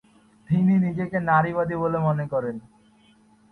তিনি নিজেকে নারীবাদী বলে মনে করেন।